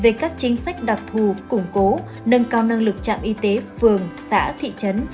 về các chính sách đặc thù củng cố nâng cao năng lực trạm y tế phường xã thị trấn